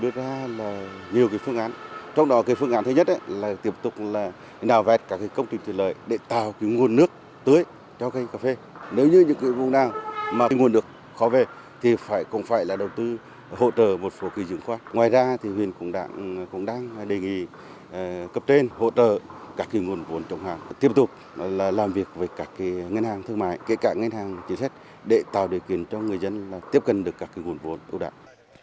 tiếp tục làm việc với các ngân hàng thương mại kể cả ngân hàng chính sách để tạo điều kiện cho người dân tiếp cận được các nguồn vốn ưu đạo